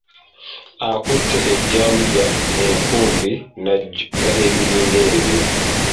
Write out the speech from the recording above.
Akutte ejjambiya, enkubi, najjolo n'ebiringa ebyo.